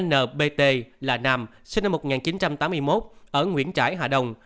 nbt là nam sinh năm một nghìn chín trăm tám mươi một ở nguyễn trãi hà đông